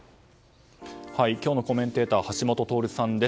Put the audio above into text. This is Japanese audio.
今日のコメンテーター橋下徹さんです。